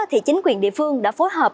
thì chính quyền địa phương đã phối hợp